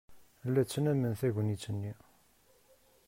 La ttnamen tagnit-nni.